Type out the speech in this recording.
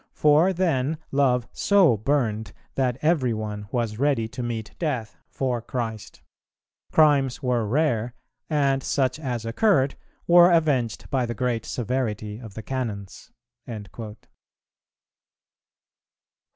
For then love so burned, that every one was ready to meet death for Christ. Crimes were rare, and such as occurred were avenged by the great severity of the Canons."[390:2] 4.